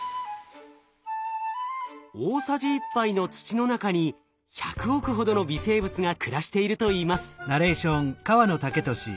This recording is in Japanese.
大さじ１杯の土の中に１００億ほどの微生物が暮らしているといいます。